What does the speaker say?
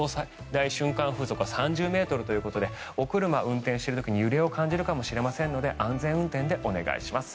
最大瞬間風速は３０ｍということでお車を運転している時に揺れを感じるかもしれませんので安全運転でお願いします。